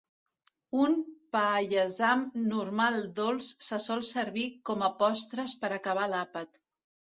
Un "Paayasam" normal dolç se sol servir com a postres per acabar l'àpat.